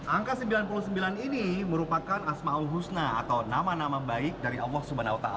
angka sembilan puluh sembilan ini merupakan ⁇ asmaul ⁇ husna atau nama nama baik dari allah swt